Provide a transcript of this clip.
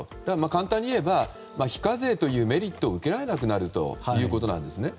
簡単に言えば、非課税というメリットを受けられなくなるということですね。